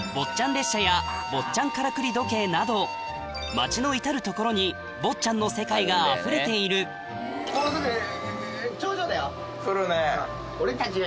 列車や坊っちゃんカラクリ時計など町の至る所に『坊っちゃん』の世界があふれているくるね。